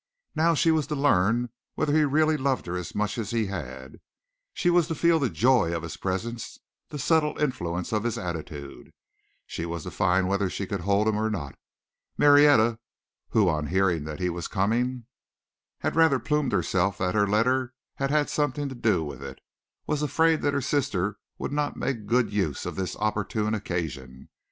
Now she was to learn whether he really loved her as much as he had. She was to feel the joy of his presence, the subtle influence of his attitude. She was to find whether she could hold him or not. Marietta, who on hearing that he was coming, had rather plumed herself that her letter had had something to do with it, was afraid that her sister would not make good use of this opportune occasion.